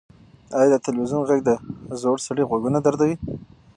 ایا د تلویزیون غږ د زوړ سړي غوږونه دردوي؟